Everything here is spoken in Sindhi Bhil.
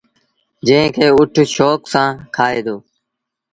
جݩهݩ کي اُٺ شوڪ سآݩ کآئي دو۔